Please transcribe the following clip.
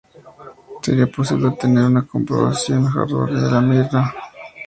Sería posible obtener una comprobación hardware de la firma para cada parte del software.